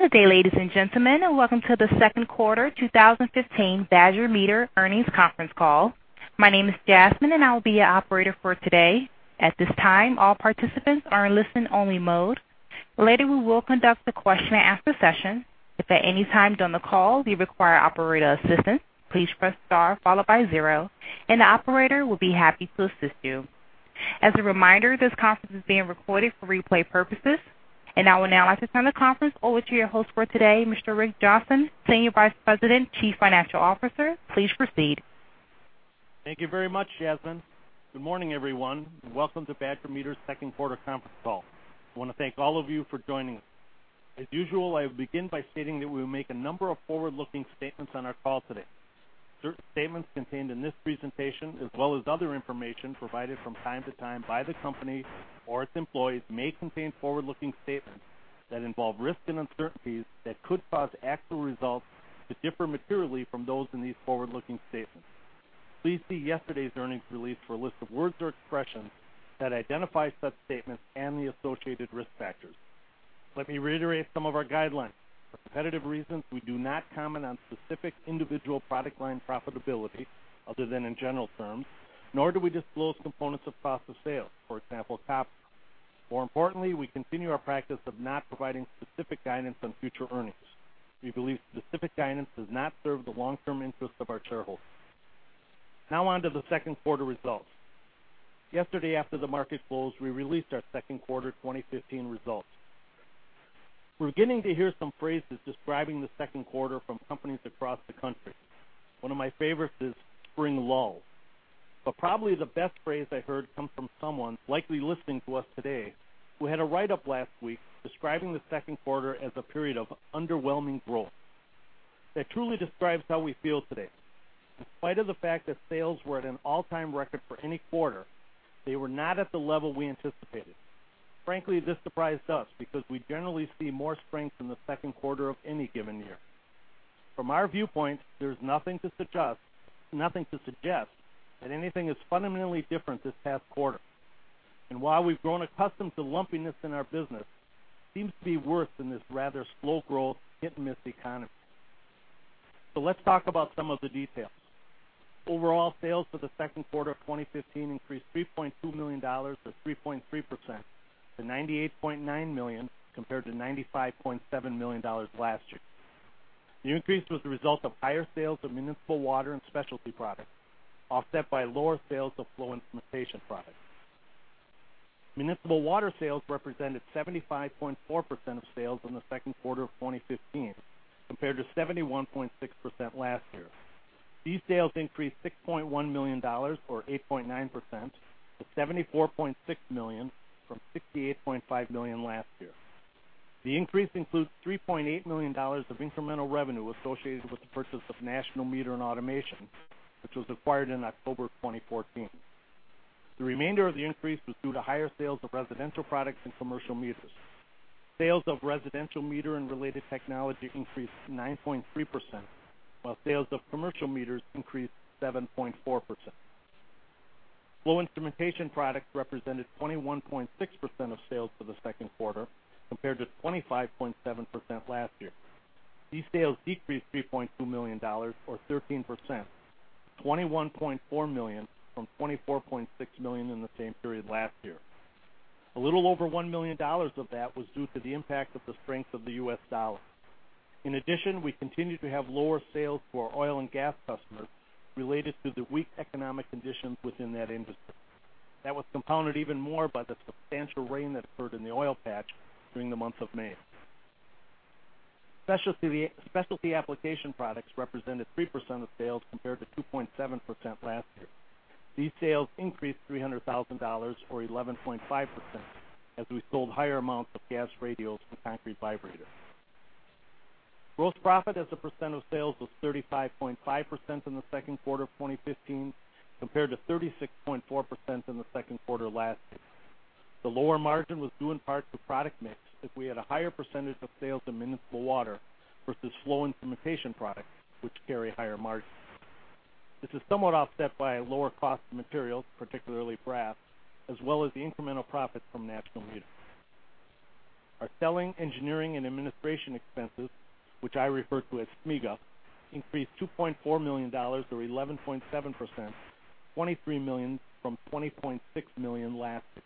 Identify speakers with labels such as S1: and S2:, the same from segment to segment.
S1: Good day, ladies and gentlemen, and welcome to the second quarter 2015 Badger Meter earnings conference call. My name is Jasmine, and I will be your operator for today. At this time, all participants are in listen-only mode. Later, we will conduct a question and answer session. If at any time during the call you require operator assistance, please press star followed by zero, and the operator will be happy to assist you. As a reminder, this conference is being recorded for replay purposes. I would now like to turn the conference over to your host for today, Mr. Rick Johnson, Senior Vice President, Chief Financial Officer. Please proceed.
S2: Thank you very much, Jasmine. Good morning, everyone, and welcome to Badger Meter's second quarter conference call. I want to thank all of you for joining us. As usual, I will begin by stating that we will make a number of forward-looking statements on our call today. Certain statements contained in this presentation, as well as other information provided from time to time by the company or its employees, may contain forward-looking statements that involve risks and uncertainties that could cause actual results to differ materially from those in these forward-looking statements. Please see yesterday's earnings release for a list of words or expressions that identify such statements and the associated risk factors. Let me reiterate some of our guidelines. For competitive reasons, we do not comment on specific individual product line profitability, other than in general terms, nor do we disclose components of cost of sales, for example, COPS. More importantly, we continue our practice of not providing specific guidance on future earnings. We believe specific guidance does not serve the long-term interest of our shareholders. Now on to the second quarter results. Yesterday, after the market closed, we released our second quarter 2015 results. We're beginning to hear some phrases describing the second quarter from companies across the country. One of my favorites is spring lull. Probably the best phrase I heard comes from someone likely listening to us today who had a write-up last week describing the second quarter as a period of underwhelming growth. That truly describes how we feel today. In spite of the fact that sales were at an all-time record for any quarter, they were not at the level we anticipated. Frankly, this surprised us because we generally see more strength in the second quarter of any given year. From our viewpoint, there's nothing to suggest that anything is fundamentally different this past quarter. While we've grown accustomed to lumpiness in our business, it seems to be worse in this rather slow-growth, hit-and-miss economy. Let's talk about some of the details. Overall sales for the second quarter of 2015 increased $3.2 million or 3.3% to $98.9 million, compared to $95.7 million last year. The increase was the result of higher sales of municipal water and specialty products, offset by lower sales of flow instrumentation products. Municipal water sales represented 75.4% of sales in the second quarter of 2015, compared to 71.6% last year. These sales increased $6.1 million, or 8.9%, to $74.6 million, from $68.5 million last year. The increase includes $3.8 million of incremental revenue associated with the purchase of National Meter and Automation, which was acquired in October 2014. The remainder of the increase was due to higher sales of residential products and commercial meters. Sales of residential meter and related technology increased 9.3%, while sales of commercial meters increased 7.4%. Flow instrumentation products represented 21.6% of sales for the second quarter, compared to 25.7% last year. These sales decreased $3.2 million, or 13%, to $21.4 million from $24.6 million in the same period last year. A little over $1 million of that was due to the impact of the strength of the US dollar. In addition, we continue to have lower sales for our oil and gas customers related to the weak economic conditions within that industry. That was compounded even more by the substantial rain that occurred in the oil patch during the month of May. Specialty application products represented 3% of sales compared to 2.7% last year. These sales increased $300,000, or 11.5%, as we sold higher amounts of gas radios for concrete vibrators. Gross profit as a percent of sales was 35.5% in the second quarter of 2015, compared to 36.4% in the second quarter last year. The lower margin was due in part to product mix, as we had a higher percentage of sales in municipal water versus flow instrumentation products, which carry higher margins. This is somewhat offset by a lower cost of materials, particularly brass, as well as the incremental profits from National Meter. Our selling, engineering, and administration expenses, which I refer to as SEA, increased $2.4 million or 11.7%, $23 million from $20.6 million last year.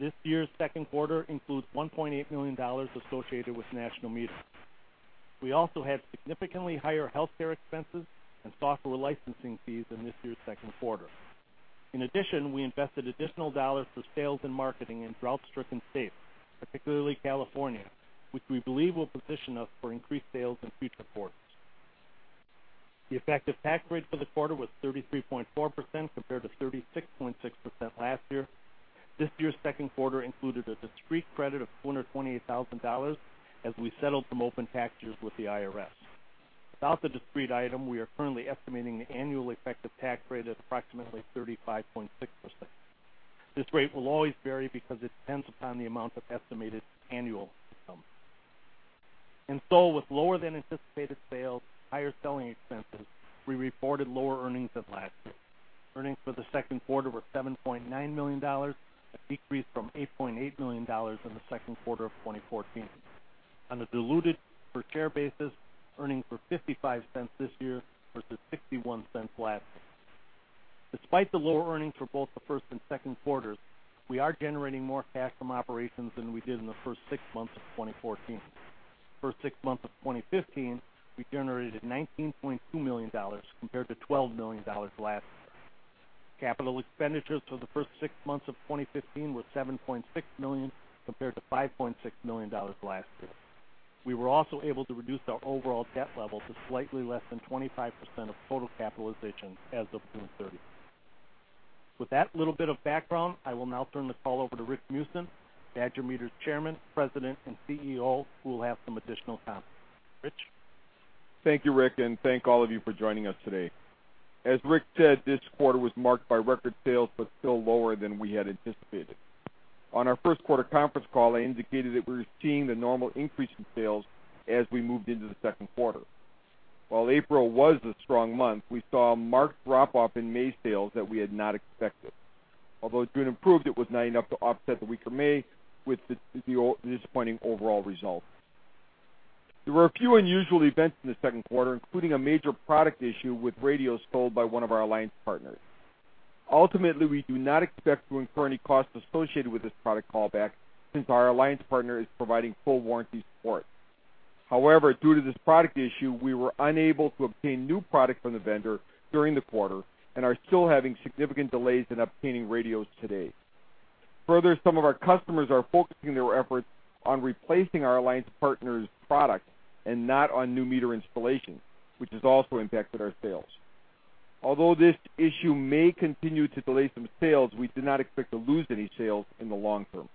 S2: This year's second quarter includes $1.8 million associated with National Meter. We also had significantly higher healthcare expenses and software licensing fees in this year's second quarter. In addition, we invested additional dollars for sales and marketing in drought-stricken states, particularly California, which we believe will position us for increased sales in future quarters. The effective tax rate for the quarter was 33.4% compared to 36.6% last year. This year's second quarter included a discrete credit of $428,000 as we settled some open tax years with the IRS. Without the discrete item, we are currently estimating the annual effective tax rate at approximately 35.6%. This rate will always vary because it depends upon the amount of estimated annual income. With lower than anticipated sales, higher selling expenses, we reported lower earnings than last year. Earnings for the second quarter were $7.9 million, a decrease from $8.8 million in the second quarter of 2014. On a diluted per share basis, earnings were $0.55 this year versus $0.61 last year. Despite the lower earnings for both the first and second quarters, we are generating more cash from operations than we did in the first six months of 2014. First six months of 2015, we generated $19.2 million compared to $12 million last year. Capital expenditures for the first six months of 2015 were $7.6 million compared to $5.6 million last year. We were also able to reduce our overall debt level to slightly less than 25% of total capitalization as of June 30. With that little bit of background, I will now turn the call over to Rick Meeusen, Badger Meter's Chairman, President, and CEO, who will have some additional comments. Rich?
S3: Thank you, Rick, and thank all of you for joining us today. As Rick said, this quarter was marked by record sales, but still lower than we had anticipated. On our first quarter conference call, I indicated that we were seeing the normal increase in sales as we moved into the second quarter. While April was a strong month, we saw a marked drop-off in May sales that we had not expected. Although June improved, it was not enough to offset the weaker May with the disappointing overall result. There were a few unusual events in the second quarter, including a major product issue with radios sold by one of our alliance partners. Ultimately, we do not expect to incur any costs associated with this product callback since our alliance partner is providing full warranty support. However, due to this product issue, we were unable to obtain new product from the vendor during the quarter and are still having significant delays in obtaining radios today. Further, some of our customers are focusing their efforts on replacing our alliance partner's product and not on new meter installation, which has also impacted our sales. Although this issue may continue to delay some sales, we do not expect to lose any sales in the long term.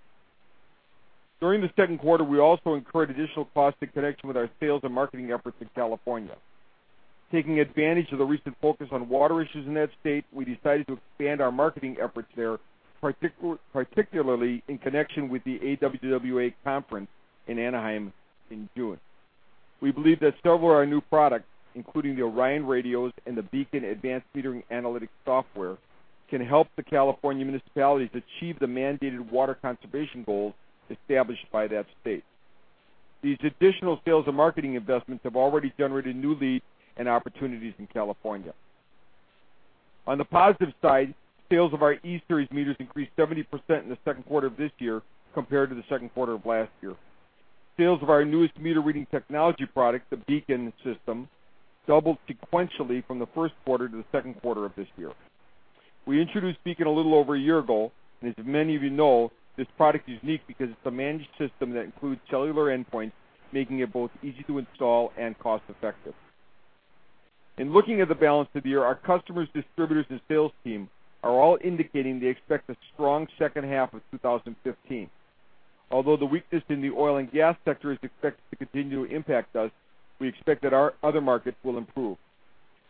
S3: During the second quarter, we also incurred additional costs in connection with our sales and marketing efforts in California. Taking advantage of the recent focus on water issues in that state, we decided to expand our marketing efforts there, particularly in connection with the AWWA conference in Anaheim in June. We believe that several of our new products, including the Orion radios and the BEACON advanced metering analytics software, can help the California municipalities achieve the mandated water conservation goals established by that state. These additional sales and marketing investments have already generated new leads and opportunities in California. On the positive side, sales of our E-Series meters increased 70% in the second quarter of this year compared to the second quarter of last year. Sales of our newest meter reading technology product, the BEACON system, doubled sequentially from the first quarter to the second quarter of this year. We introduced BEACON a little over a year ago, and as many of you know, this product is unique because it's a managed system that includes cellular endpoints, making it both easy to install and cost-effective. In looking at the balance of the year, our customers, distributors, and sales team are all indicating they expect a strong second half of 2015. Although the weakness in the oil and gas sector is expected to continue to impact us, we expect that our other markets will improve.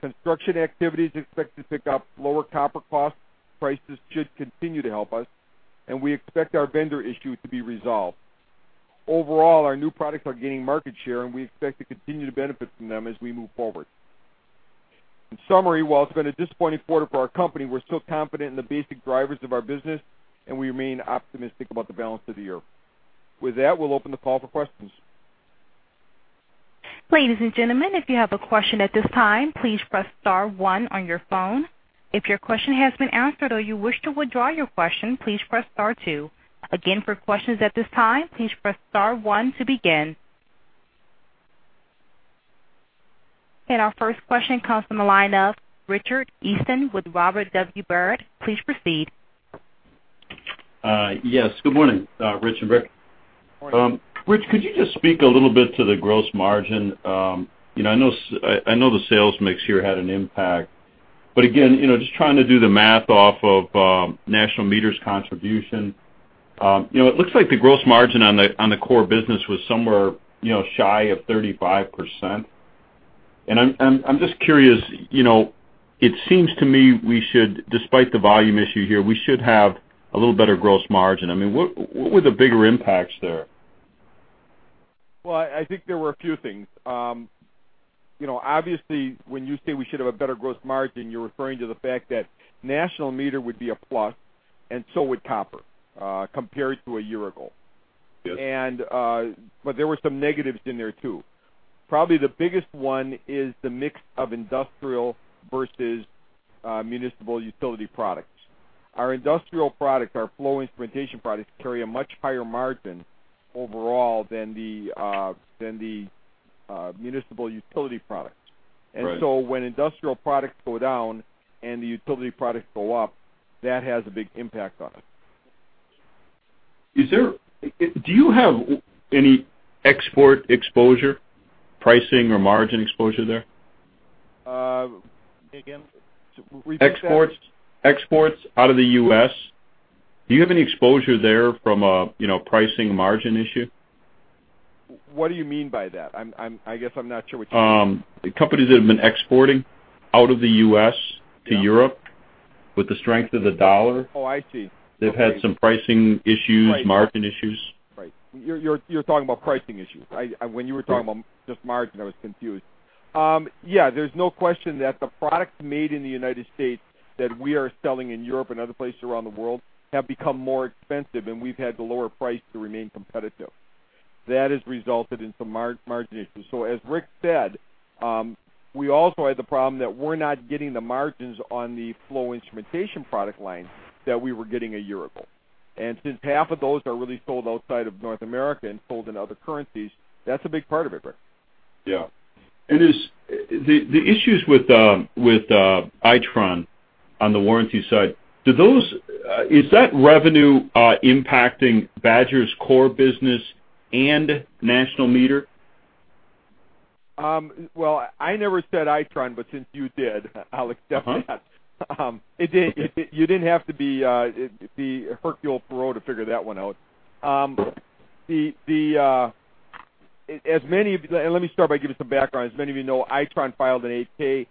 S3: Construction activity is expected to pick up. Lower copper cost prices should continue to help us, and we expect our vendor issue to be resolved. Overall, our new products are gaining market share, and we expect to continue to benefit from them as we move forward. In summary, while it's been a disappointing quarter for our company, we're still confident in the basic drivers of our business, and we remain optimistic about the balance of the year. With that, we'll open the call for questions.
S1: Ladies and gentlemen, if you have a question at this time, please press star one on your phone. If your question has been answered or you wish to withdraw your question, please press star two. Again, for questions at this time, please press star one to begin. Our first question comes from the line of Richard Eastman with Robert W. Baird. Please proceed.
S4: Yes. Good morning, Rich and Rick.
S3: Morning.
S4: Rich, could you just speak a little bit to the gross margin? I know the sales mix here had an impact, but again, just trying to do the math off of National Meter's contribution. It looks like the gross margin on the core business was somewhere shy of 35%. I'm just curious, it seems to me, despite the volume issue here, we should have a little better gross margin. What were the bigger impacts there?
S3: Well, I think there were a few things. Obviously, when you say we should have a better gross margin, you're referring to the fact that National Meter would be a plus and so would copper compared to a year ago.
S4: Yes.
S3: There were some negatives in there, too. Probably the biggest one is the mix of industrial versus municipal utility products. Our industrial products, our flow instrumentation products, carry a much higher margin overall than the municipal utility products.
S4: Right.
S3: When industrial products go down and the utility products go up, that has a big impact on us.
S4: Do you have any export exposure, pricing, or margin exposure there?
S3: Again? Repeat that.
S4: Exports out of the U.S. Do you have any exposure there from a pricing margin issue?
S3: What do you mean by that? I guess I'm not sure what you-
S4: Companies that have been exporting out of the U.S. to Europe. With the strength of the dollar-
S3: Oh, I see
S4: they've had some pricing issues, margin issues.
S3: Right. You're talking about pricing issues. When you were talking about just margin, I was confused. Yeah, there's no question that the products made in the United States that we are selling in Europe and other places around the world have become more expensive, and we've had to lower price to remain competitive. That has resulted in some margin issues. As Rick said, we also had the problem that we're not getting the margins on the flow instrumentation product line that we were getting a year ago. Since half of those are really sold outside of North America and sold in other currencies, that's a big part of it, Rick.
S4: Yeah. The issues with Itron on the warranty side, is that revenue impacting Badger's core business and National Meter?
S3: Well, I never said Itron, since you did, I'll accept that. You didn't have to be Hercule Poirot to figure that one out. Let me start by giving some background. As many of you know, Itron filed an 8-K.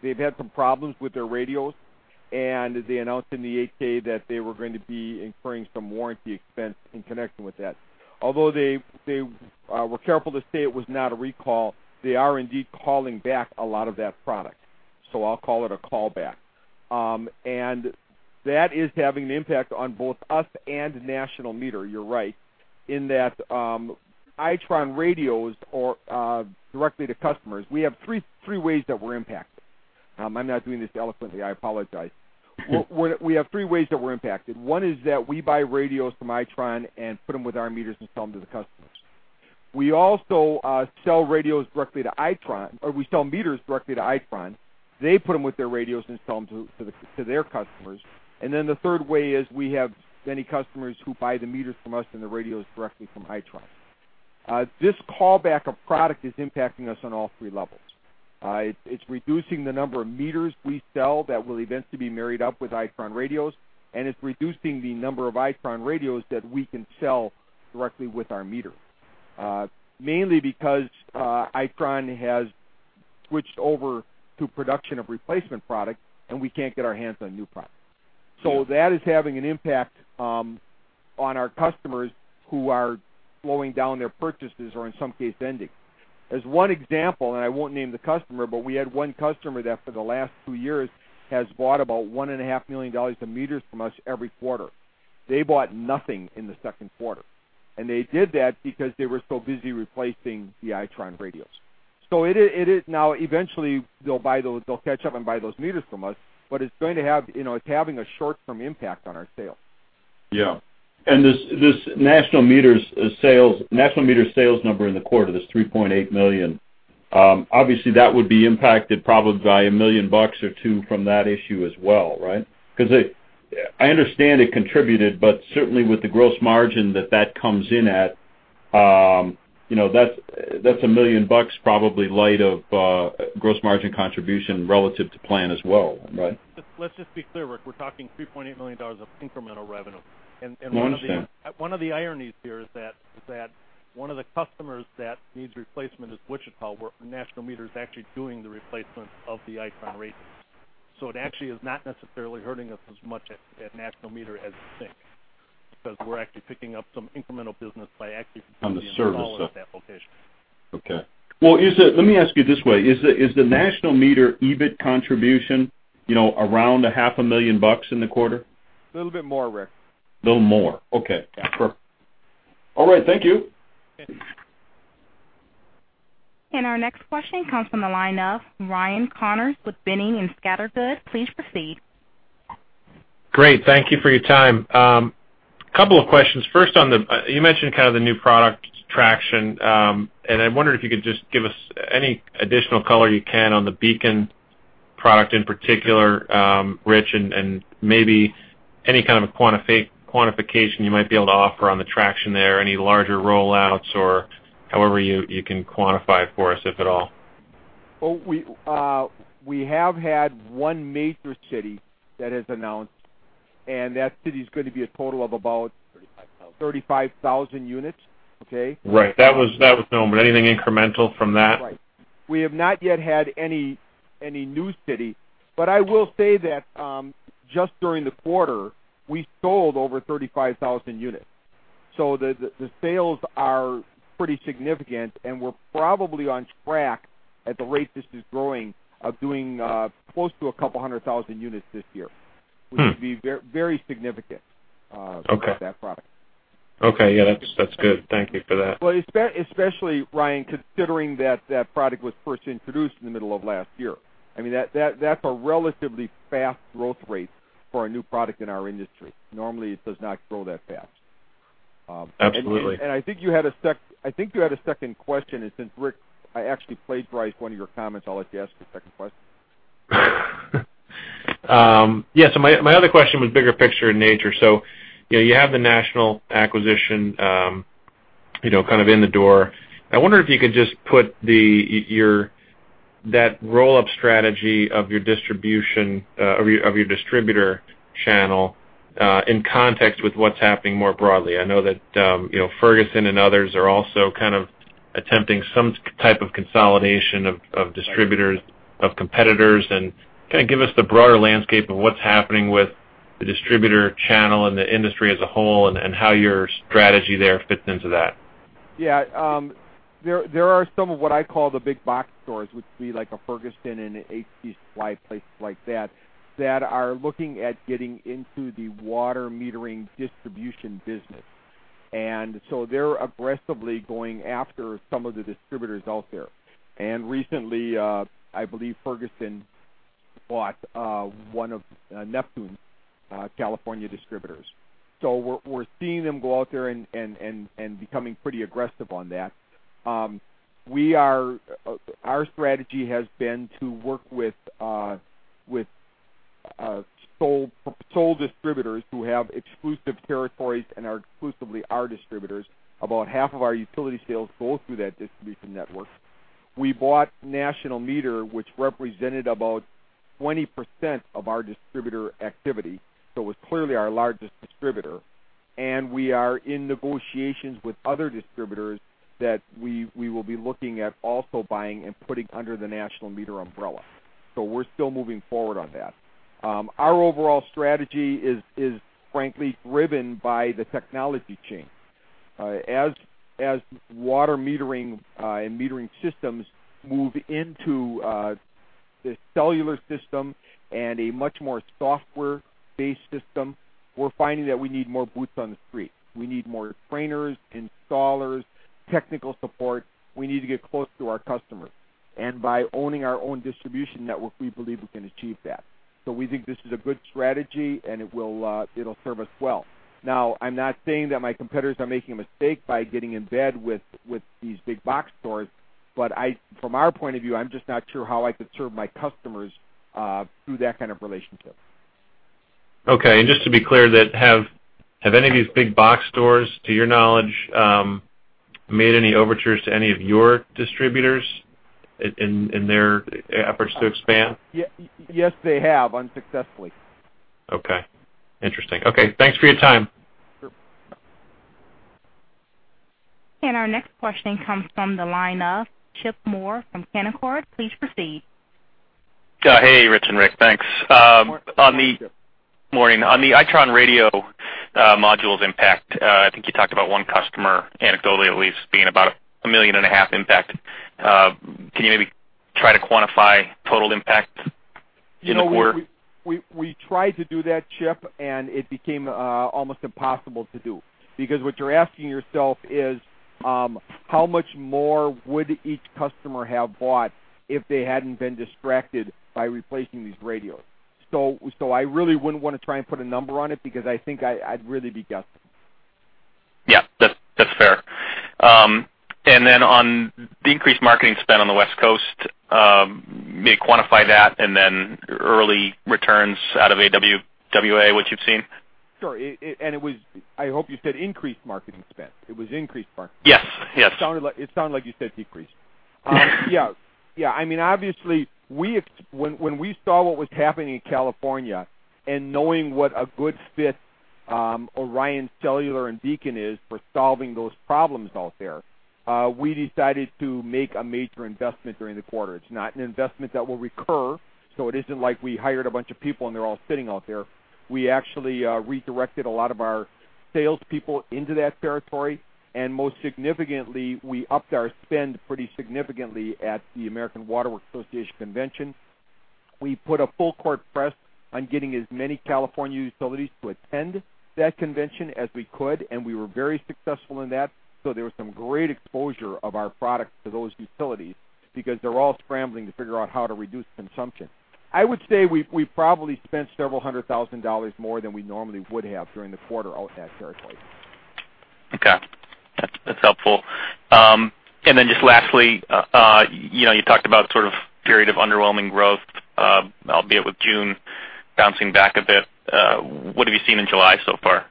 S3: They've had some problems with their radios, and they announced in the 8-K that they were going to be incurring some warranty expense in connection with that. Although they were careful to say it was not a recall, they are indeed calling back a lot of that product. I'll call it a callback. That is having an impact on both us and National Meter, you're right, in that Itron radios or directly to customers. We have three ways that we're impacted. I'm not doing this eloquently, I apologize. We have three ways that we're impacted. One is that we buy radios from Itron and put them with our meters and sell them to the customers. We also sell meters directly to Itron. They put them with their radios and sell them to their customers. The third way is we have many customers who buy the meters from us and the radios directly from Itron. This callback of product is impacting us on all three levels. It's reducing the number of meters we sell that will eventually be married up with Itron radios, and it's reducing the number of Itron radios that we can sell directly with our meter. Mainly because Itron has switched over to production of replacement product, and we can't get our hands on new product.
S4: Yeah.
S3: That is having an impact on our customers who are slowing down their purchases or in some case ending. As one example, and I won't name the customer, but we had one customer that for the last two years has bought about $1.5 million of meters from us every quarter. They bought nothing in the second quarter. They did that because they were so busy replacing the Itron radios. Eventually they'll catch up and buy those meters from us, but it's having a short-term impact on our sales.
S4: Yeah. This National Meter's sales number in the quarter, this $3.8 million, obviously that would be impacted probably by a million bucks or two from that issue as well, right? I understand it contributed, but certainly with the gross margin that that comes in at, that's a million bucks probably light of gross margin contribution relative to plan as well, right?
S2: Let's just be clear, Rick. We're talking $3.8 million of incremental revenue.
S4: No, I understand.
S2: One of the ironies here is that one of the customers that needs replacement is Wichita, where National Meter is actually doing the replacement of the Itron radios. It actually is not necessarily hurting us as much at National Meter as you think, because we're actually picking up some incremental business by actually.
S4: On the service stuff.
S2: installing at that location.
S4: Okay. Well, let me ask you this way. Is the National Meter EBIT contribution around a half a million bucks in the quarter?
S3: A little bit more, Rick.
S4: A little more. Okay.
S3: Yeah.
S4: Perfect. All right, thank you.
S3: Okay.
S1: Our next question comes from the line of Ryan Connors with Boenning & Scattergood. Please proceed.
S5: Great. Thank you for your time. Couple of questions. First, you mentioned kind of the new product traction. I wonder if you could just give us any additional color you can on the BEACON product in particular, Rich. Maybe any kind of a quantification you might be able to offer on the traction there, any larger roll-outs or however you can quantify it for us, if at all.
S3: We have had one major city that has announced.
S2: 35,000
S3: 35,000 units. Okay?
S5: Right. That was known, anything incremental from that?
S3: Right. We have not yet had any new city. I will say that just during the quarter, we sold over 35,000 units. The sales are pretty significant, and we're probably on track, at the rate this is growing, of doing close to 200,000 units this year. Which would be very significant.
S5: Okay
S3: for that product.
S5: Okay, yeah, that's good. Thank you for that.
S3: Well, especially, Ryan, considering that that product was first introduced in the middle of last year. That's a relatively fast growth rate for a new product in our industry. Normally it does not grow that fast.
S5: Absolutely.
S3: I think you had a second question, and since, Rick, I actually plagiarized one of your comments, I'll let you ask the second question.
S5: Yeah, my other question was bigger picture in nature. You have the National acquisition kind of in the door. I wonder if you could just put that roll-up strategy of your distributor channel in context with what's happening more broadly. I know that Ferguson and others are also kind of attempting some type of consolidation of distributors, of competitors, and kind of give us the broader landscape of what's happening with the distributor channel and the industry as a whole, and how your strategy there fits into that.
S3: Yeah. There are some of what I call the big box stores, which would be like a Ferguson and an HD Supply, places like that are looking at getting into the water metering distribution business. They're aggressively going after some of the distributors out there. Recently, I believe Ferguson bought one of Neptune's California distributors. We're seeing them go out there and becoming pretty aggressive on that. Our strategy has been to work with sole distributors who have exclusive territories and are exclusively our distributors. About half of our utility sales go through that distribution network. We bought National Meter, which represented about 20% of our distributor activity, so it was clearly our largest distributor. We are in negotiations with other distributors that we will be looking at also buying and putting under the National Meter umbrella. We're still moving forward on that. Our overall strategy is frankly driven by the technology change. As water metering and metering systems move into the cellular system and a much more software-based system, we're finding that we need more boots on the street. We need more trainers, installers, technical support. We need to get close to our customers. By owning our own distribution network, we believe we can achieve that. We think this is a good strategy, and it'll serve us well. Now, I'm not saying that my competitors are making a mistake by getting in bed with these big box stores, from our point of view, I'm just not sure how I could serve my customers through that kind of relationship.
S5: Okay, just to be clear, have any of these big box stores, to your knowledge, made any overtures to any of your distributors in their efforts to expand?
S3: Yes, they have, unsuccessfully.
S5: Okay. Interesting. Okay. Thanks for your time.
S3: Sure.
S1: Our next question comes from the line of Chip Moore from Canaccord. Please proceed.
S6: Hey, Rich and Rick. Thanks.
S3: Morning, Chip.
S6: Morning. On the Itron radio modules impact, I think you talked about one customer, anecdotally at least, being about a million and a half impact. Can you maybe try to quantify total impact in the quarter?
S3: We tried to do that, Chip, and it became almost impossible to do because what you're asking yourself is how much more would each customer have bought if they hadn't been distracted by replacing these radios. I really wouldn't want to try and put a number on it because I think I'd really be guessing.
S6: Yeah, that's fair. Then on the increased marketing spend on the West Coast, may you quantify that? Then early returns out of AWWA, what you've seen?
S3: Sure. I hope you said increased marketing spend. It was increased marketing spend.
S6: Yes.
S3: It sounded like you said decreased. Yeah. Obviously, when we saw what was happening in California and knowing what a good fit ORION Cellular and BEACON is for solving those problems out there, we decided to make a major investment during the quarter. It's not an investment that will recur, so it isn't like we hired a bunch of people and they're all sitting out there. We actually redirected a lot of our salespeople into that territory, and most significantly, we upped our spend pretty significantly at the American Water Works Association convention. We put a full-court press on getting as many California utilities to attend that convention as we could, and we were very successful in that. There was some great exposure of our products to those utilities because they're all scrambling to figure out how to reduce consumption. I would say we probably spent several hundred thousand dollars more than we normally would have during the quarter out in that territory.
S6: Okay. That's helpful. Then just lastly, you talked about sort of period of underwhelming growth, albeit with June bouncing back a bit. What have you seen in July so far?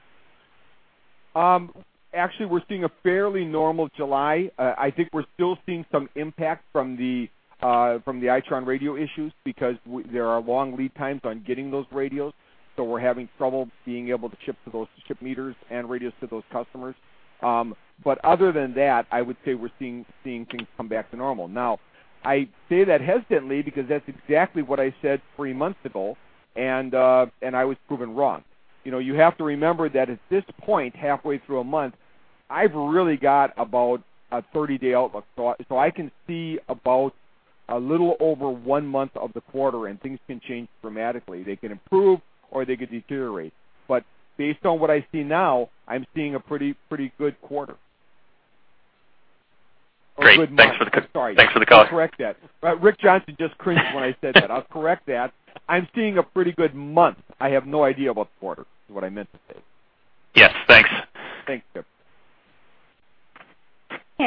S3: Actually, we're seeing a fairly normal July. I think we're still seeing some impact from the Itron radio issues because there are long lead times on getting those radios. We're having trouble being able to ship meters and radios to those customers. Other than that, I would say we're seeing things come back to normal. Now, I say that hesitantly because that's exactly what I said three months ago, and I was proven wrong. You have to remember that at this point, halfway through a month, I've really got about a 30-day outlook. I can see about a little over one month of the quarter, and things can change dramatically. They can improve, or they could deteriorate. Based on what I see now, I'm seeing a pretty good quarter.
S6: Great. Thanks for the color.
S3: Sorry. I'll correct that. Rick Johnson just cringed when I said that. I'll correct that. I'm seeing a pretty good month. I have no idea about the quarter, is what I meant to say.
S6: Yes. Thanks.
S3: Thank you, Chip.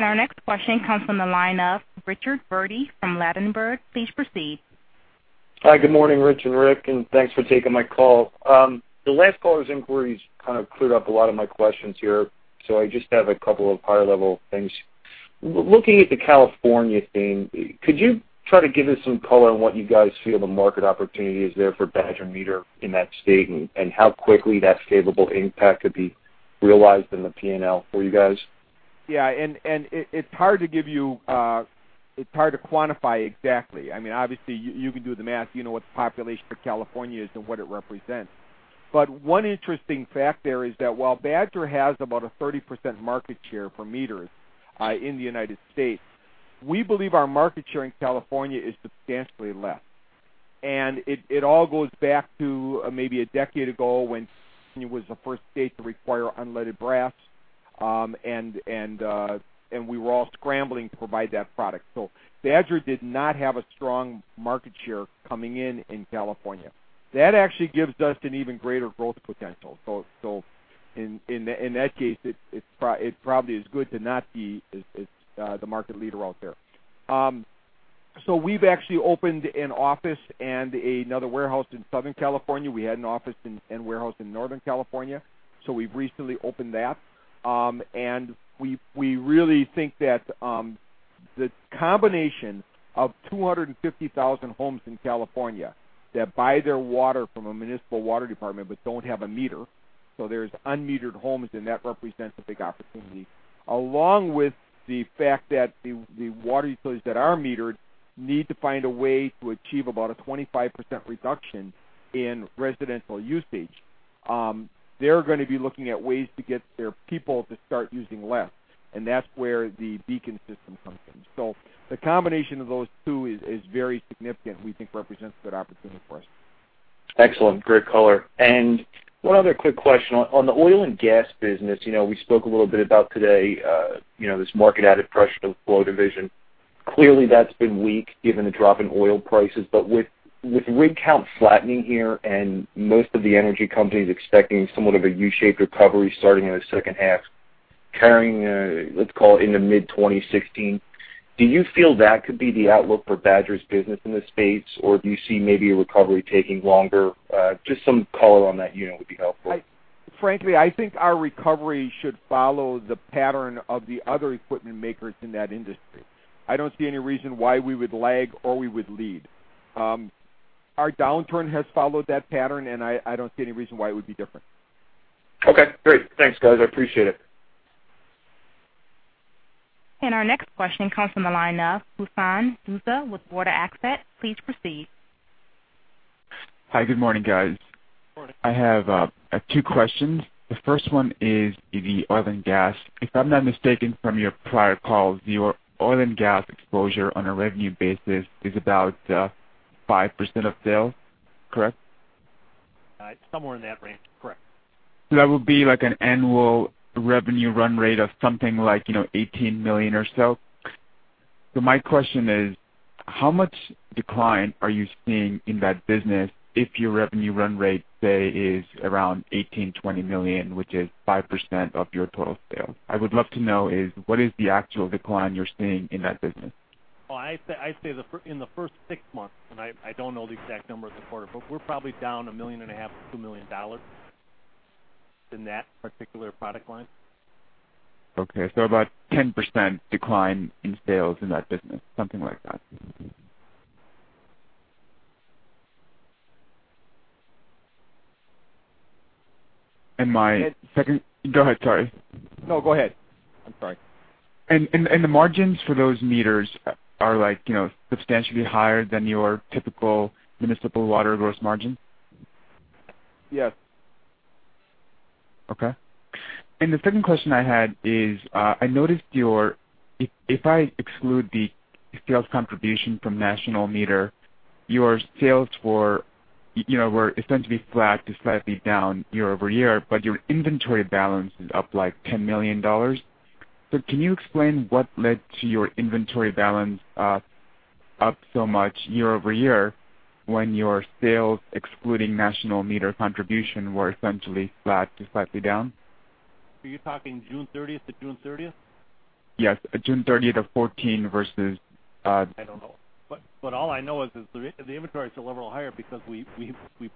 S1: Our next question comes from the line of Richard Burde from Ladenburg. Please proceed.
S7: Hi, good morning, Rich and Rick, and thanks for taking my call. The last caller's inquiries kind of cleared up a lot of my questions here, so I just have a couple of higher-level things. Looking at the California theme, could you try to give us some color on what you guys feel the market opportunity is there for Badger Meter in that state and how quickly that favorable impact could be realized in the P&L for you guys?
S3: Yeah. It's hard to quantify exactly. Obviously, you can do the math. You know what the population for California is and what it represents. One interesting fact there is that while Badger has about a 30% market share for meters in the U.S., we believe our market share in California is substantially less. It all goes back to maybe a decade ago when it was the first state to require unleaded brass, and we were all scrambling to provide that product. Badger did not have a strong market share coming in California. That actually gives us an even greater growth potential. In that case, it probably is good to not be the market leader out there. We've actually opened an office and another warehouse in Southern California. We had an office and warehouse in Northern California, so we've recently opened that. We really think that the combination of 250,000 homes in California that buy their water from a municipal water department but don't have a meter, so there's unmetered homes, and that represents a big opportunity, along with the fact that the water utilities that are metered need to find a way to achieve about a 25% reduction in residential usage. They're going to be looking at ways to get their people to start using less, and that's where the BEACON system comes in. The combination of those two is very significant, we think represents a good opportunity for us.
S7: Excellent. Great color. One other quick question. On the oil and gas business, we spoke a little bit about today this market-added pressure to the flow division. Clearly, that's been weak given the drop in oil prices. With rig count flattening here and most of the energy companies expecting somewhat of a U-shaped recovery starting in the second half, carrying, let's call it, into mid-2016, do you feel that could be the outlook for Badger's business in this space or do you see maybe a recovery taking longer? Just some color on that unit would be helpful.
S3: Frankly, I think our recovery should follow the pattern of the other equipment makers in that industry. I don't see any reason why we would lag or we would lead. Our downturn has followed that pattern, I don't see any reason why it would be different.
S7: Okay, great. Thanks, guys. I appreciate it.
S1: Our next question comes from the line of Hussan Dossa with Water Asset Management. Please proceed.
S8: Hi. Good morning, guys.
S3: Morning.
S8: I have two questions. The first one is the oil and gas. If I'm not mistaken, from your prior calls, your oil and gas exposure on a revenue basis is about 5% of sales, correct?
S3: Somewhere in that range. Correct.
S8: That would be like an annual revenue run rate of something like $18 million or so. My question is, how much decline are you seeing in that business if your revenue run rate, say, is around $18 million-$20 million, which is 5% of your total sales? I would love to know is what is the actual decline you're seeing in that business?
S3: Well, I say in the first six months, and I don't know the exact numbers of the quarter, but we're probably down $1.5 million to $2 million in that particular product line.
S8: Okay, about 10% decline in sales in that business, something like that. Go ahead, sorry.
S3: No, go ahead. I'm sorry.
S8: The margins for those meters are substantially higher than your typical municipal water gross margin?
S3: Yes.
S8: Okay. The second question I had is, I noticed if I exclude the sales contribution from National Meter, your sales were essentially flat to slightly down year-over-year, but your inventory balance is up like $10 million. Can you explain what led to your inventory balance up so much year-over-year when your sales, excluding National Meter contribution, were essentially flat to slightly down?
S3: Are you talking June 30th to June 30th?
S8: Yes, June 30th of 2014 versus-
S3: I don't know. All I know is the inventory is still a little higher because we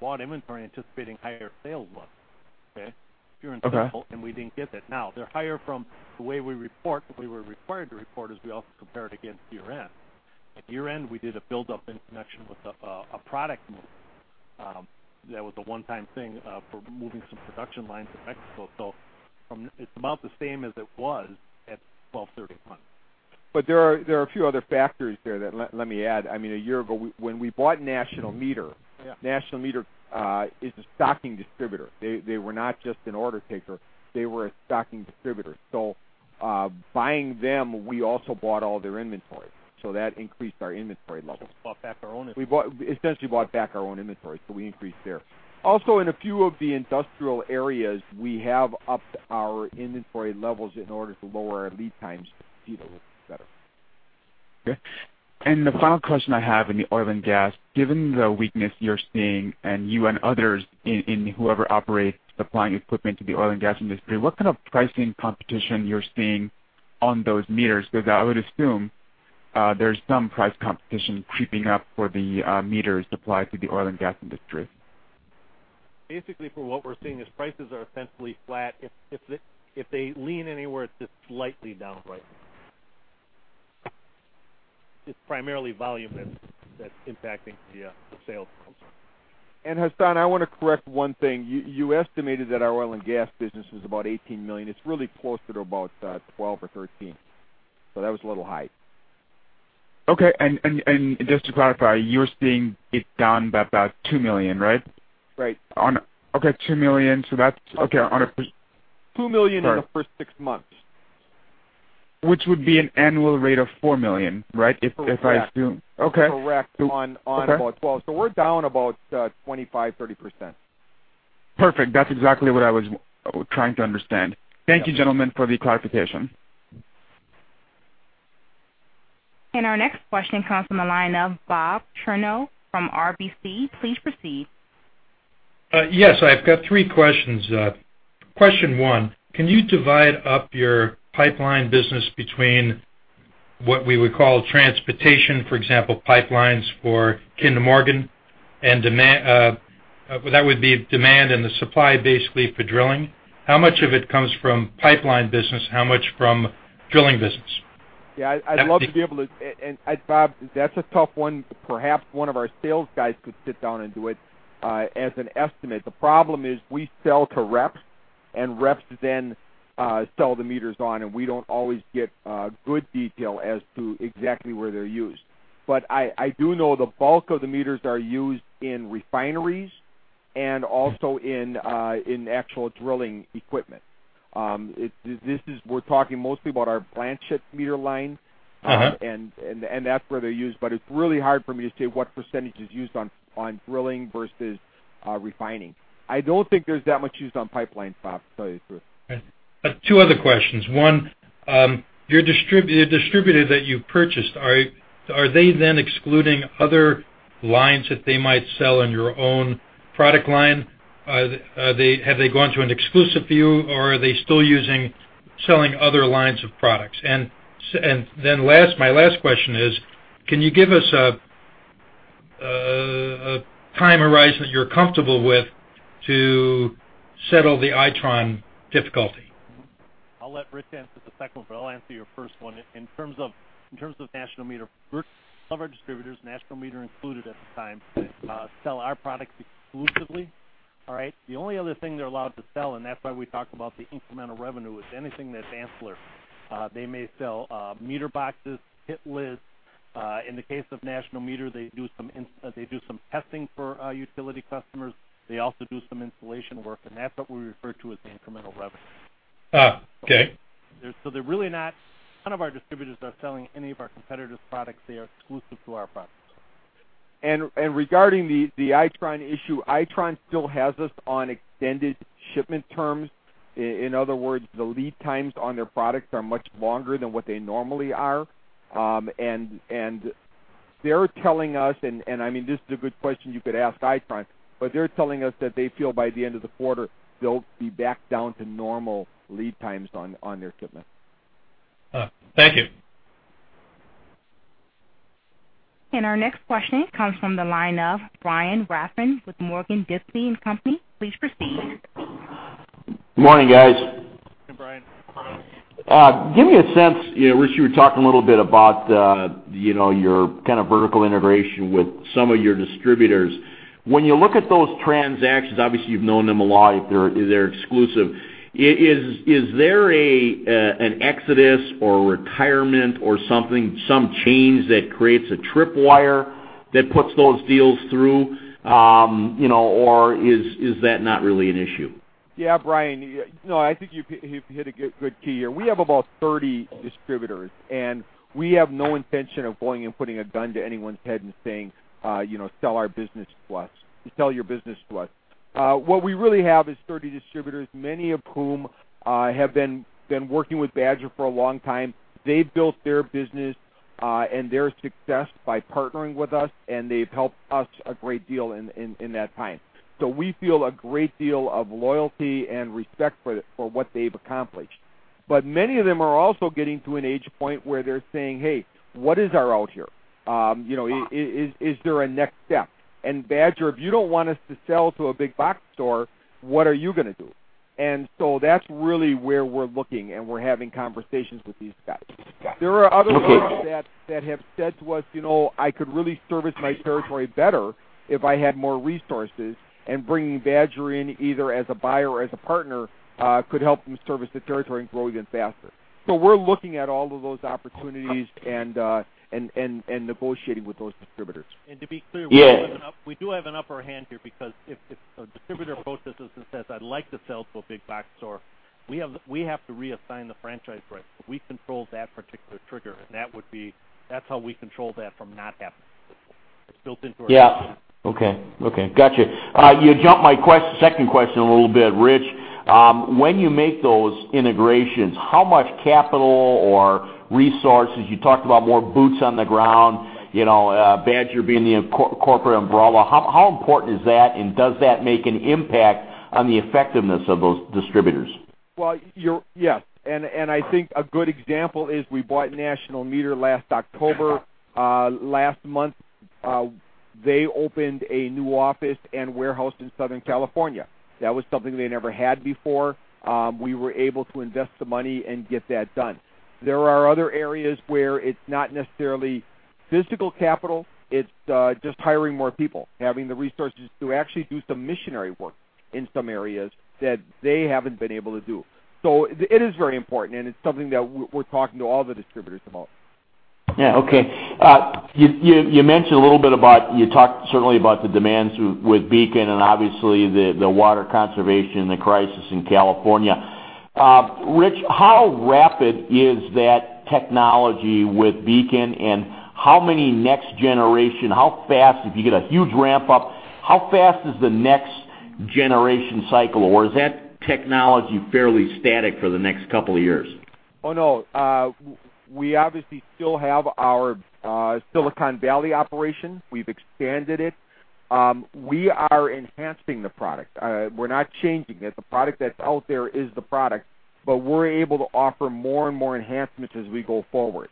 S3: bought inventory anticipating higher sales levels. Okay?
S8: Okay.
S3: Pure and simple, we didn't get that. Now, they're higher from the way we report. We were required to report as we also compared against year-end. At year-end, we did a build-up in connection with a product move. That was a one-time thing for moving some production lines to Mexico. It's about the same as it was at 12/31. There are a few other factors there that let me add. A year ago, when we bought National Meter-
S8: Yeah.
S3: National Meter is a stocking distributor. They were not just an order taker. They were a stocking distributor. Buying them, we also bought all their inventory. That increased our inventory levels.
S8: Essentially bought back our own inventory.
S3: We essentially bought back our own inventory. We increased there. In a few of the industrial areas, we have upped our inventory levels in order to lower our lead times to compete a little bit better.
S8: Okay. The final question I have in the oil and gas, given the weakness you're seeing and you and others in whoever operates supplying equipment to the oil and gas industry, what kind of pricing competition you're seeing on those meters? Because I would assume there's some price competition creeping up for the meters supplied to the oil and gas industry.
S3: Basically, from what we're seeing is prices are essentially flat. If they lean anywhere, it's just slightly down right now.
S2: It's primarily volume that's impacting the sales.
S3: Hussan, I want to correct one thing. You estimated that our oil and gas business was about $18 million. It's really closer to about $12 or $13. That was a little high.
S8: Okay. Just to clarify, you're seeing it down by about $2 million, right?
S3: Right.
S8: Okay, $2 million. That's Okay.
S3: Two million-
S8: All right.
S3: In the first six months.
S8: Which would be an annual rate of $4 million, right?
S3: Correct.
S8: Okay.
S3: Correct.
S8: Okay.
S3: On about 12% we're down about 25%, 30%.
S8: Perfect. That's exactly what I was trying to understand.
S3: Yeah.
S8: Thank you, gentlemen, for the clarification.
S1: Our next question comes from the line of Bob Chernow from RBC. Please proceed.
S9: Yes, I've got three questions. Question one, can you divide up your pipeline business between what we would call transportation, for example, pipelines for Kinder Morgan, and demand That would be demand and the supply, basically, for drilling. How much of it comes from pipeline business, how much from drilling business?
S3: Yeah, I'd love to be able to. Bob, that's a tough one. Perhaps one of our sales guys could sit down and do it as an estimate. The problem is we sell to reps, and reps then sell the meters on, and we don't always get good detail as to exactly where they're used. I do know the bulk of the meters are used in refineries and also in actual drilling equipment. We're talking mostly about our Blancett meter line. That's where they're used. It's really hard for me to say what percentage is used on drilling versus refining. I don't think there's that much used on pipelines, Bob, to tell you the truth.
S9: Okay. Two other questions. One, your distributor that you purchased, are they then excluding other lines that they might sell in your own product line? Have they gone to an exclusive deal, or are they still selling other lines of products? My last question is, can you give us a time horizon that you're comfortable with to settle the Itron difficulty?
S2: I'll let Rich answer the second one, but I'll answer your first one. In terms of National Meter, some of our distributors, National Meter included at the time, sell our products exclusively. All right. The only other thing they're allowed to sell, and that's why we talk about the incremental revenue, is anything that's ancillary. They may sell meter boxes, pit lids. In the case of National Meter, they do some testing for our utility customers. They also do some installation work, and that's what we refer to as the incremental revenue.
S9: Okay.
S2: They're really not None of our distributors are selling any of our competitors' products. They are exclusive to our products.
S3: Regarding the Itron issue, Itron still has us on extended shipment terms. In other words, the lead times on their products are much longer than what they normally are. They're telling us, and this is a good question you could ask Itron, but they're telling us that they feel by the end of the quarter, they'll be back down to normal lead times on their shipments.
S9: Thank you.
S1: Our next question comes from the line of Brian Ruttenbur with Morgan Stanley & Co. Please proceed.
S10: Good morning, guys.
S3: Hey, Brian.
S10: Give me a sense. Rich, you were talking a little bit about your kind of vertical integration with some of your distributors. When you look at those transactions, obviously, you've known them a lot if they're exclusive. Is there an exodus or retirement or something, some change that creates a tripwire that puts those deals through, or is that not really an issue?
S3: Brian. No, I think you hit a good key here. We have about 30 distributors, we have no intention of going and putting a gun to anyone's head and saying, "Sell your business to us." What we really have is 30 distributors, many of whom have been working with Badger for a long time. They've built their business and their success by partnering with us, they've helped us a great deal in that time. We feel a great deal of loyalty and respect for what they've accomplished. Many of them are also getting to an age point where they're saying, "Hey, what is our out here? Is there a next step? Badger, if you don't want us to sell to a big box store, what are you going to do?" That's really where we're looking, and we're having conversations with these guys. There are other folks that have said to us, "I could really service my territory better if I had more resources." Bringing Badger in, either as a buyer or as a partner, could help them service the territory and grow even faster. We're looking at all of those opportunities and negotiating with those distributors.
S2: To be clear.
S10: Yeah
S2: We do have an upper hand here because if a distributor approaches us and says, "I'd like to sell to a big box store," we have to reassign the franchise for it. We control that particular trigger, and that's how we control that from not happening. It's built into our system.
S10: Yeah. Okay. Got you. You jumped my second question a little bit, Rich. When you make those integrations, how much capital or resources, you talked about more boots on the ground, Badger Meter being the corporate umbrella, how important is that, and does that make an impact on the effectiveness of those distributors?
S3: Well, yes. I think a good example is we bought National Meter last October. Last month, they opened a new office and warehouse in Southern California. That was something they never had before. We were able to invest the money and get that done. There are other areas where it's not necessarily physical capital, it's just hiring more people, having the resources to actually do some missionary work in some areas that they haven't been able to do. It is very important, and it's something that we're talking to all the distributors about.
S10: Yeah. Okay. You mentioned a little bit about, you talked certainly about the demands with BEACON and obviously the water conservation, the crisis in California. Rich, how rapid is that technology with BEACON and how many next generation, how fast if you get a huge ramp up, how fast is the next generation cycle? Or is that technology fairly static for the next couple of years?
S3: Oh, no. We obviously still have our Silicon Valley operation. We've expanded it. We are enhancing the product. We're not changing it. The product that's out there is the product, but we're able to offer more and more enhancements as we go forward.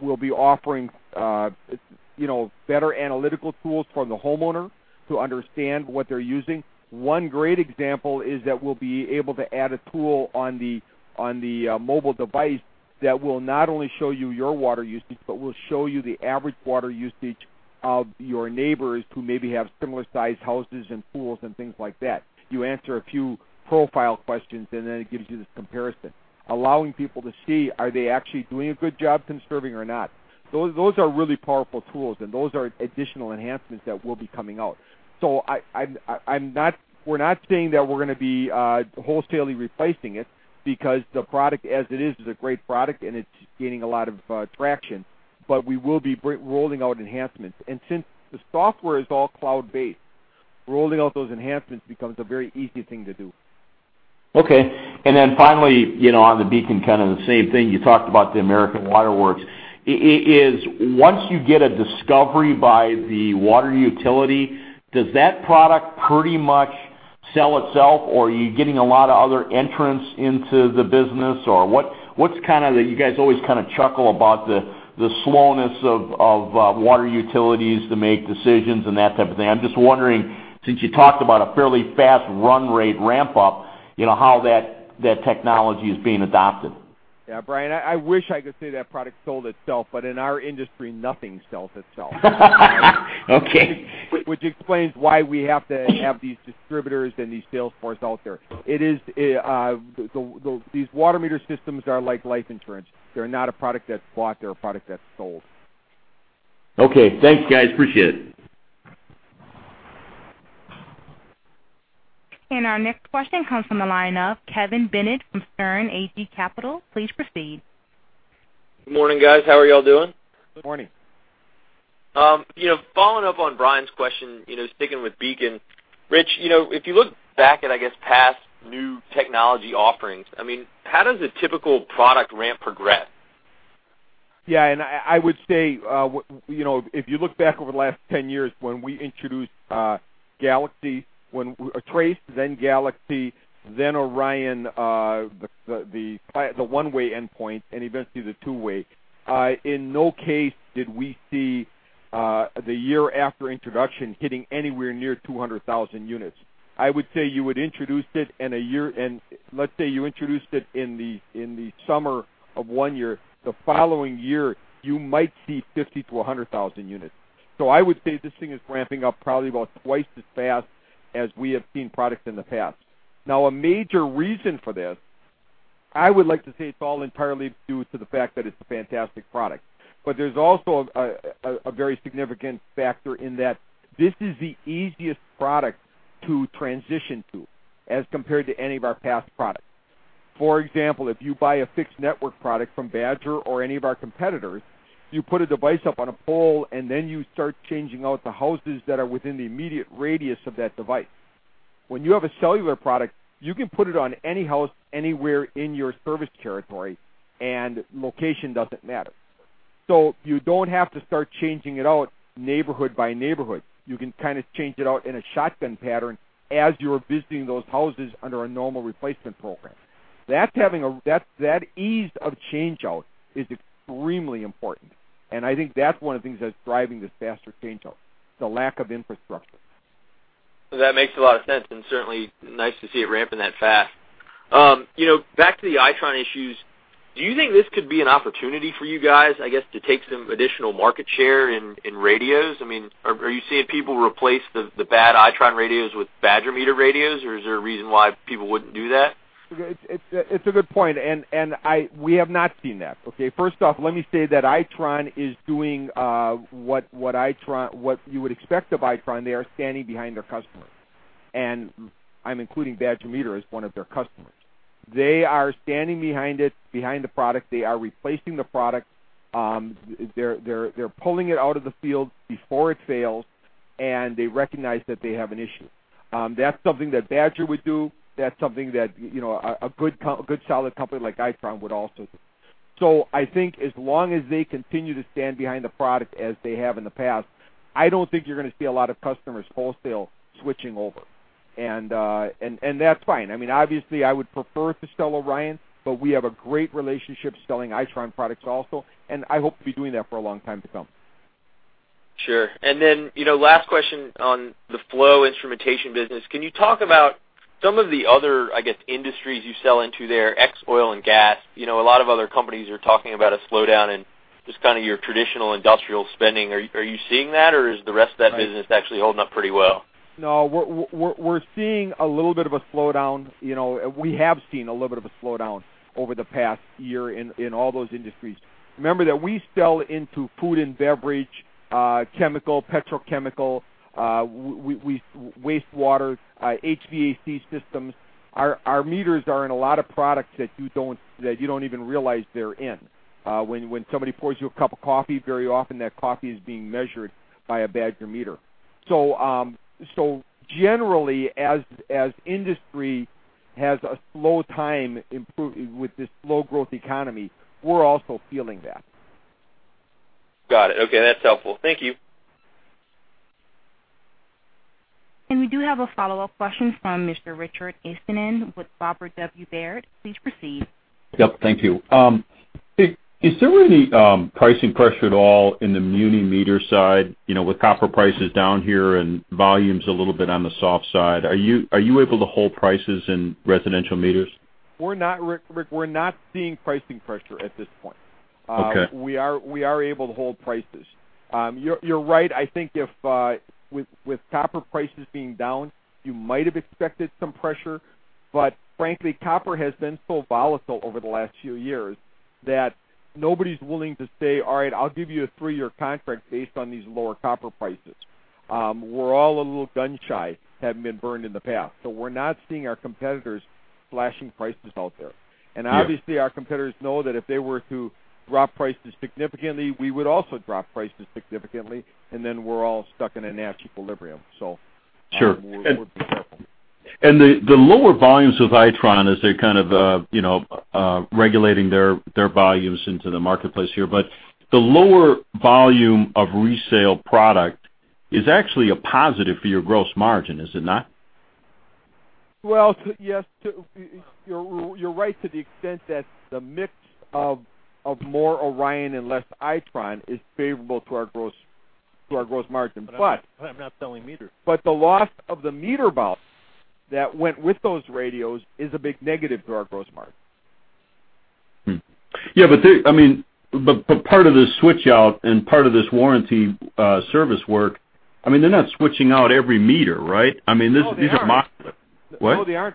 S3: We'll be offering better analytical tools for the homeowner to understand what they're using. One great example is that we'll be able to add a tool on the mobile device that will not only show you your water usage, but will show you the average water usage of your neighbors who maybe have similar sized houses and pools and things like that. You answer a few profile questions, and then it gives you this comparison, allowing people to see are they actually doing a good job conserving or not. Those are really powerful tools, and those are additional enhancements that will be coming out. We're not saying that we're going to be wholesaling replacing it because the product as it is a great product and it's gaining a lot of traction, but we will be rolling out enhancements. Since the software is all cloud-based, rolling out those enhancements becomes a very easy thing to do.
S10: Okay. Finally, on the BEACON, kind of the same thing, you talked about the American Water Works. Once you get a discovery by the water utility, does that product pretty much sell itself, or are you getting a lot of other entrants into the business? You guys always kind of chuckle about the slowness of water utilities to make decisions and that type of thing. I'm just wondering, since you talked about a fairly fast run rate ramp up, how that technology is being adopted.
S3: Yeah, Brian, I wish I could say that product sold itself, but in our industry, nothing sells itself.
S10: Okay.
S3: Which explains why we have to have these distributors and these salesforce out there. These water meter systems are like life insurance. They're not a product that's bought, they're a product that's sold.
S10: Okay. Thanks, guys. Appreciate it.
S1: Our next question comes from the line of Kevin Bennett from Sterne, Agee & Leach. Please proceed.
S11: Good morning, guys. How are you all doing?
S3: Good morning.
S11: Following up on Brian's question, sticking with BEACON, Rich, if you look back at, I guess, past new technology offerings, how does a typical product ramp progress?
S3: Yeah, I would say, if you look back over the last 10 years when we introduced GALAXY, when TRACE, then GALAXY, then ORION, the one-way endpoint, and eventually the two-way, in no case did we see the year after introduction hitting anywhere near 200,000 units. I would say you would introduce it in a year, and let's say you introduced it in the summer of one year, the following year, you might see 50 to 100,000 units. I would say this thing is ramping up probably about twice as fast as we have seen products in the past. A major reason for this, I would like to say it's all entirely due to the fact that it's a fantastic product. There's also a very significant factor in that this is the easiest product to transition to as compared to any of our past products. For example, if you buy a fixed network product from Badger or any of our competitors, you put a device up on a pole, then you start changing out the houses that are within the immediate radius of that device. When you have a cellular product, you can put it on any house, anywhere in your service territory, location doesn't matter. You don't have to start changing it out neighborhood by neighborhood. You can change it out in a shotgun pattern as you're visiting those houses under a normal replacement program. That ease of change-out is extremely important, I think that's one of the things that's driving this faster change out, the lack of infrastructure.
S11: That makes a lot of sense, certainly nice to see it ramping that fast. Back to the Itron issues, do you think this could be an opportunity for you guys, I guess, to take some additional market share in radios? Are you seeing people replace the bad Itron radios with Badger Meter radios, is there a reason why people wouldn't do that?
S3: It's a good point. We have not seen that. Okay. First off, let me say that Itron is doing what you would expect of Itron. They are standing behind their customers. I'm including Badger Meter as one of their customers. They are standing behind it, behind the product. They are replacing the product. They're pulling it out of the field before it fails. They recognize that they have an issue. That's something that Badger would do. That's something that a good solid company like Itron would also do. I think as long as they continue to stand behind the product as they have in the past, I don't think you're going to see a lot of customers wholesale switching over. That's fine. Obviously, I would prefer to sell ORION. We have a great relationship selling Itron products also. I hope to be doing that for a long time to come.
S11: Sure. Last question on the flow instrumentation business. Can you talk about some of the other, I guess, industries you sell into there, ex oil and gas? A lot of other companies are talking about a slowdown in just kind of your traditional industrial spending. Are you seeing that, or is the rest of that business-
S3: Right
S11: actually holding up pretty well?
S3: No, we're seeing a little bit of a slowdown. We have seen a little bit of a slowdown over the past year in all those industries. Remember that we sell into food and beverage, chemical, petrochemical, wastewater, HVAC systems. Our meters are in a lot of products that you don't even realize they're in. When somebody pours you a cup of coffee, very often that coffee is being measured by a Badger Meter. Generally, as industry has a slow time with this slow growth economy, we're also feeling that.
S11: Got it. Okay, that's helpful. Thank you.
S1: We do have a follow-up question from Mr. Richard Eastman with Robert W. Baird & Co. Please proceed.
S4: Yep. Thank you. Is there any pricing pressure at all in the muni meter side? With copper prices down here and volumes a little bit on the soft side, are you able to hold prices in residential meters?
S3: Rick, we're not seeing pricing pressure at this point.
S4: Okay.
S3: We are able to hold prices. You're right. I think with copper prices being down, you might've expected some pressure, but frankly, copper has been so volatile over the last few years that nobody's willing to say, "All right, I'll give you a three-year contract based on these lower copper prices." We're all a little gun-shy, having been burned in the past. We're not seeing our competitors slashing prices out there.
S4: Yeah.
S3: Obviously, our competitors know that if they were to drop prices significantly, we would also drop prices significantly, and then we're all stuck in a nasty equilibrium.
S4: Sure
S3: We're being careful.
S4: The lower volumes with Itron as they're kind of regulating their volumes into the marketplace here, but the lower volume of resale product is actually a positive for your gross margin, is it not?
S3: Well, yes, you're right to the extent that the mix of more ORION and less Itron is favorable to our gross margin.
S4: I'm not selling meters.
S3: The loss of the meter volume that went with those radios is a big negative to our gross margin.
S4: Hmm. Yeah, part of this switch out and part of this warranty service work, they're not switching out every meter, right?
S3: No, they aren't.
S4: What?
S3: No, they aren't.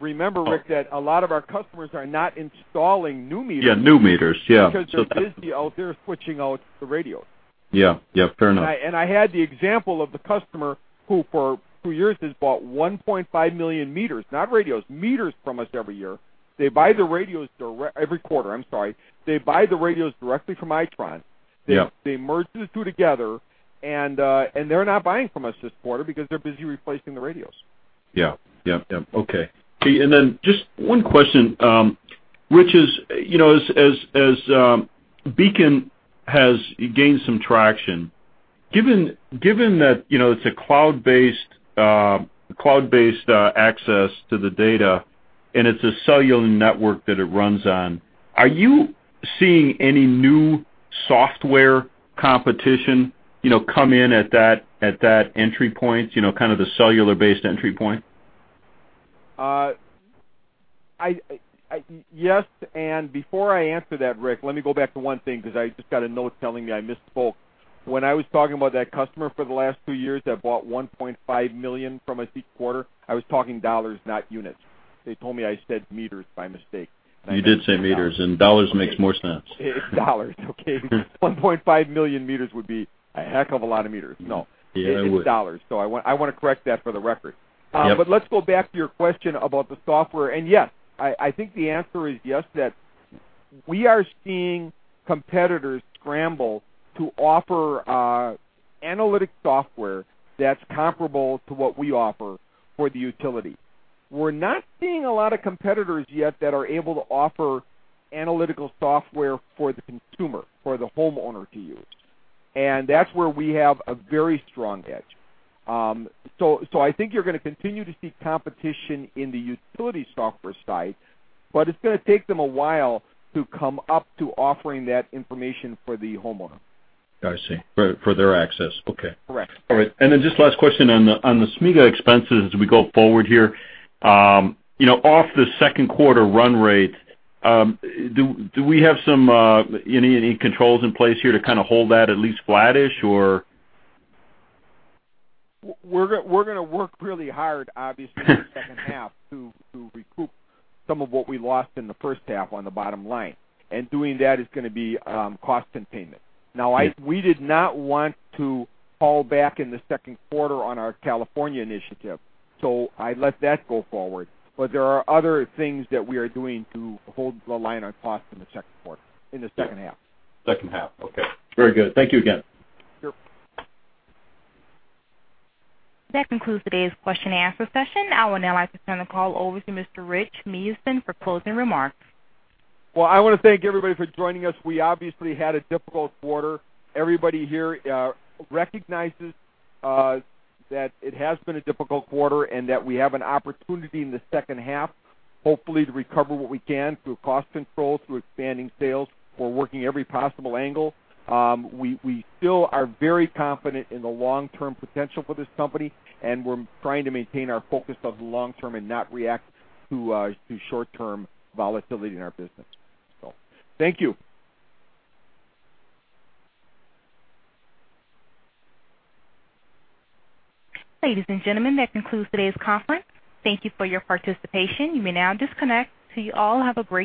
S3: Remember, Rick, that a lot of our customers are not installing new meters.
S4: Yeah, new meters. Yeah.
S3: Because they're busy out there switching out the radios.
S4: Yeah. Fair enough.
S3: I had the example of the customer who, for two years, has bought 1.5 million meters, not radios, meters from us every year. They buy the radios direct every quarter, I'm sorry. They buy the radios directly from Itron.
S4: Yeah.
S3: They merge the two together, and they're not buying from us this quarter because they're busy replacing the radios.
S4: Okay. Just one question, which is, as BEACON has gained some traction, given that it's a cloud-based access to the data and it's a cellular network that it runs on, are you seeing any new software competition come in at that entry point, kind of the cellular-based entry point?
S3: Yes, before I answer that, Rick, let me go back to one thing, because I just got a note telling me I misspoke. When I was talking about that customer for the last two years that bought $1.5 million from us each quarter, I was talking dollars, not units. They told me I said meters by mistake, and I did not.
S4: You did say meters, dollars makes more sense.
S3: It's dollars, okay? 1.5 million meters would be a heck of a lot of meters. No.
S4: Yeah, it would.
S3: It's dollars. I want to correct that for the record.
S4: Yep.
S3: Let's go back to your question about the software. Yes, I think the answer is yes, that we are seeing competitors scramble to offer analytic software that's comparable to what we offer for the utility. We're not seeing a lot of competitors yet that are able to offer analytical software for the consumer, for the homeowner to use. That's where we have a very strong edge. I think you're going to continue to see competition in the utility software side, but it's going to take them a while to come up to offering that information for the homeowner.
S4: I see. For their access. Okay.
S3: Correct.
S4: All right. Just last question on the SG&A expenses as we go forward here. Off the second quarter run rate, do we have any controls in place here to kind of hold that at least flattish, or?
S3: We're going to work really hard in the second half to recoup some of what we lost in the first half on the bottom line, and doing that is going to be cost containment.
S4: Yeah.
S3: We did not want to pull back in the second quarter on our California initiative, so I let that go forward. There are other things that we are doing to hold the line on cost in the second quarter, in the second half.
S4: Second half. Okay. Very good. Thank you again.
S3: Sure.
S1: That concludes today's question and answer session. I will now like to turn the call over to Mr. Rich Meeusen for closing remarks.
S3: I want to thank everybody for joining us. We obviously had a difficult quarter. Everybody here recognizes that it has been a difficult quarter, and that we have an opportunity in the second half, hopefully, to recover what we can through cost control, through expanding sales. We're working every possible angle. We still are very confident in the long-term potential for this company, and we're trying to maintain our focus of the long term and not react to short-term volatility in our business. Thank you.
S1: Ladies and gentlemen, that concludes today's conference. Thank you for your participation. You may now disconnect. You all have a great day.